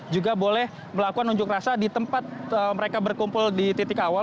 juga boleh melakukan unjuk rasa di tempat mereka berkumpul di titik awal